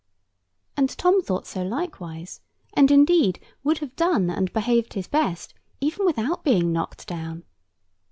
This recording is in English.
And Tom thought so likewise, and, indeed, would have done and behaved his best, even without being knocked down.